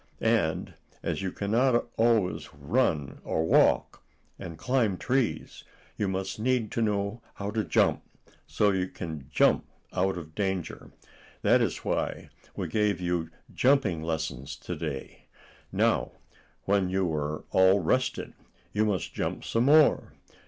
"And, as you cannot always run or walk, and climb trees, you must need to know how to jump, so you can jump out of danger. That is why we gave you jumping lessons to day. Now, when you are rested, you must jump some more.